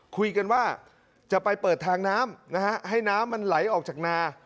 คุยกันว่าจะไปเปิดทางน้ำนะฮะให้น้ำมันไหลออกจากนา